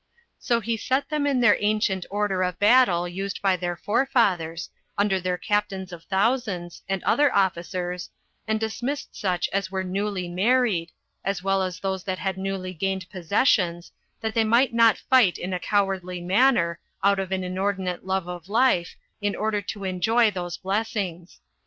So he set them in their ancient order of battle used by their forefathers, under their captains of thousands, and other officers, and dismissed such as were newly married, as well as those that had newly gained possessions, that they might not fight in a cowardly manner, out of an inordinate love of life, in order to enjoy those blessings.